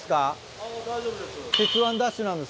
あっ大丈夫です。